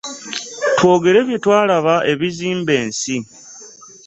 Twogere byetwalaba ebizimba ensi .